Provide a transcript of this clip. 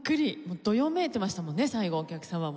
どよめいてましたもんね最後お客様も。